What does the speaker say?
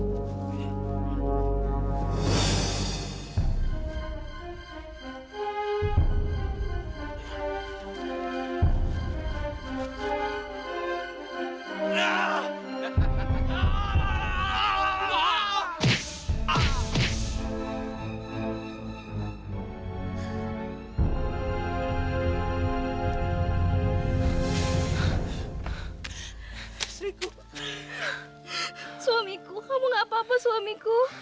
suamiku kamu gak apa apa suamiku